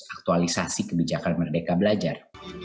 aktualisasi kebijakan merdeka belajar